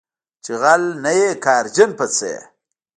چې غل نه یې قهرجن په څه یې